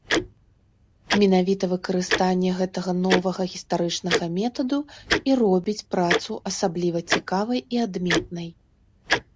Менавіта выкарыстанне гэтага новага гістарычнага метаду і робіць працу асабліва цікавай і адметнай.